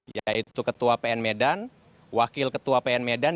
yaitu ketua pn medan wakil ketua pn medan